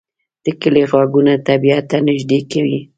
د کلی غږونه طبیعت ته نږدې کوي